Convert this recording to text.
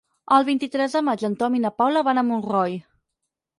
El vint-i-tres de maig en Tom i na Paula van a Montroi.